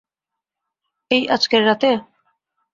এই আজকের রাতে?